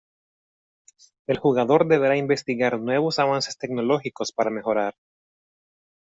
El jugador deberá investigar nuevos avances tecnológicos para mejorar.